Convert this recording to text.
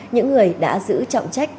những người đã giữ trọng trách